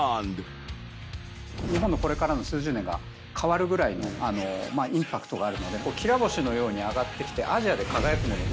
日本のこれからの数十年が変わるぐらいのインパクトがあるのできら星のように上がってきて。